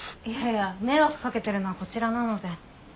いやいや迷惑かけてるのはこちらなので。